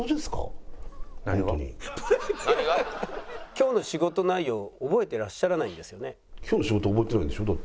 「今日の仕事内容覚えていらっしゃらないんですよね？」。